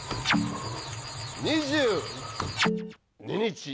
２０。２日。